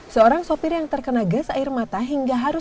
seorang sopir yang terkena gas air mata hingga harus